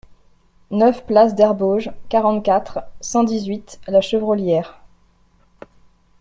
neuf place d'Herbauges, quarante-quatre, cent dix-huit, La Chevrolière